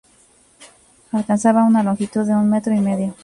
Alcanzaba una longitud de un metro y medio.